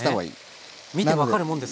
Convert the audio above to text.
見て分かるもんですか？